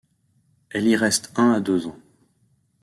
Elle y reste un à deux ans.